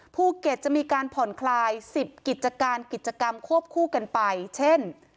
ภูเก็ตจะมีการผ่อนคลาย๑๐กิจการกิจกรรมควบคู่กันไปเช่น